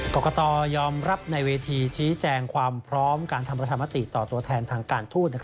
กรกตยอมรับในเวทีชี้แจงความพร้อมการทำประชามติต่อตัวแทนทางการทูต